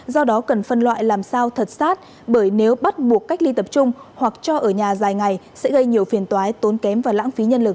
do đó cần phân loại làm sao thật sát bởi nếu bắt buộc cách ly tập trung hoặc cho ở nhà dài ngày sẽ gây nhiều phiền toái tốn kém và lãng phí nhân lực